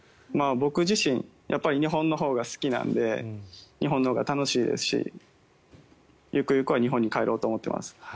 僕自身、日本のほうが好きなんで日本のほうが楽しいですしゆくゆくは日本に帰ろうと思っています。